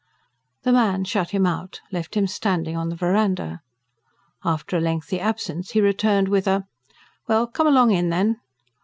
The man shut him out, left him standing on the verandah. After a lengthy absence, he returned, and with a "Well, come along in then!"